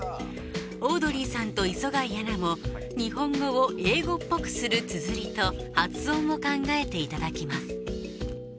オードリーさんと磯貝アナも日本語を英語っぽくするつづりと発音を考えていただきます